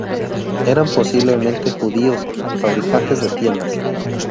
Eran posiblemente judíos, fabricantes de tiendas.